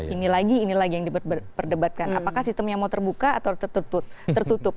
ini lagi ini lagi yang diperdebatkan apakah sistemnya mau terbuka atau tertutup